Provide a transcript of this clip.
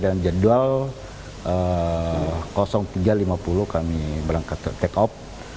dalam jadwal tiga lima puluh kami berangkat ke take off